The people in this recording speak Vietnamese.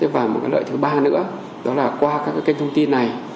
và lợi thứ ba nữa là qua các kênh thông tin này